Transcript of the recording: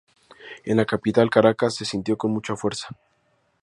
En la capital, Caracas, se sintió con mucha fuerza.